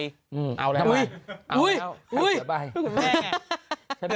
ท๋าแ้วต่ำร่าวครับ